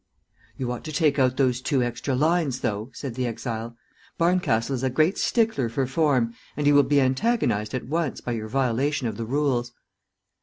"You ought to take out those two extra lines, though," said the exile. "Barncastle is a great stickler for form, and he will be antagonized at once by your violation of the rules."